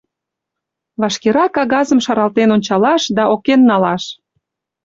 Вашкерак кагазым шаралтен ончалаш да окен налаш!..